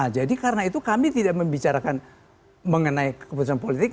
jadi karena itu kami tidak membicarakan mengenai keputusan politik